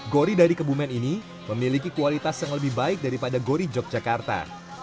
gori dari kebumen ini memiliki kualitas yang lebih baik daripada gori yogyakarta